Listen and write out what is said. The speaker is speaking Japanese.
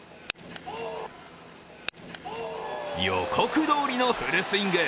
予告どおりのフルスイング。